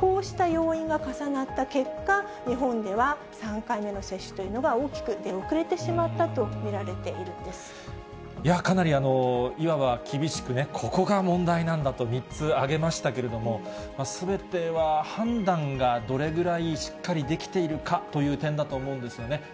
こうした要因が重なった結果、日本では３回目の接種というのが大きく出遅れてしまったと見られいやぁ、かなり、いわば厳しく、ここが問題なんだと、３つ挙げましたけれども、すべては判断がどれぐらいしっかりできているかという点だと思うんですよね。